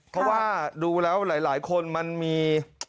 เพราะว่าดูแล้วหลายคนมันมี